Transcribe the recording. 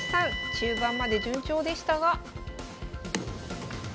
中盤まで順調でしたが。